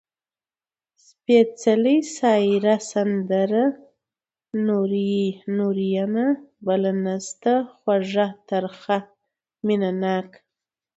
سپېڅلې ، سايره ، سندره، نورينه . بله نسته، خوږَه، ترخه . مينه ناکه